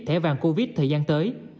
thẻ vàng covid thời gian tới